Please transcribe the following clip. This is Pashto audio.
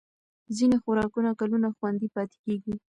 ځینې خوراکونه کلونه خوندي پاتې کېږي.